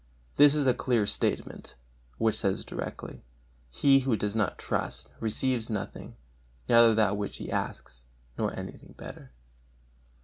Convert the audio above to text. This is a clear statement, which says directly: he who does not trust, receives nothing, neither that which he asks, nor anything better.